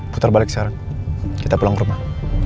putar balik sekarang kita pulang ke rumah